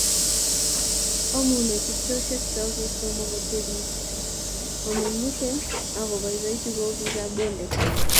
omu noee tupchosiekcho kesomook otebii, omeng'isien ak oboiboitu kou biikab Bonde